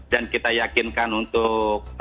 dan kita yakinkan untuk